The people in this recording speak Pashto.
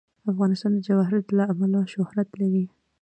افغانستان د جواهرات له امله شهرت لري.